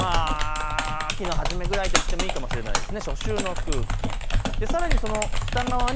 秋の初めくらいといってもいいかもしれません。